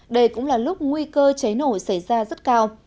đây cũng là lúc nguy cơ cháy nổ xảy ra rất cao